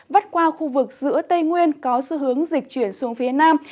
vắt qua khu vực giữa tây nguyên có xu hướng dịch chuyển xuống phía nam